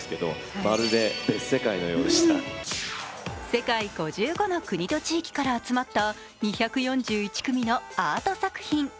世界５５の国と地域から集まった２４１組のアート作品。